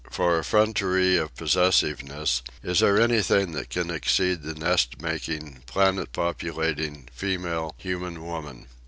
For effrontery of possessiveness is there anything that can exceed the nest making, planet populating, female, human woman?